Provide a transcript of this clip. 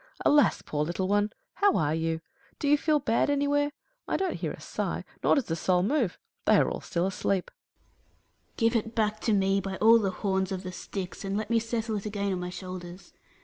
Alas, poor little one !... How are you ? Do you feel bad anywhere ? I don't hear a sigh, nor does a soul move. They are all still asleep. Atlas. Give it back to me, by all the horns of the Styx, and let me settle it again on my shoulders.